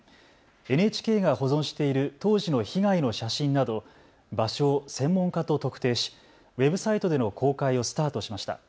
ＮＨＫが保存している当時の被害の写真など場所を専門家と特定しウェブサイトでの公開をスタートしました。